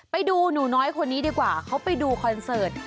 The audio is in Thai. ไปดูหนูน้อยคนนี้ดีกว่าเขาไปดูคอนเสิร์ต